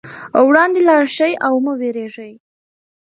وړاندې لاړ شئ او مه وېرېږئ.